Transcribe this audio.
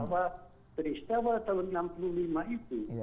bahwa peristiwa tahun seribu sembilan ratus enam puluh lima itu